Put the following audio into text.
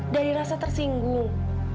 dari rasa tersinggung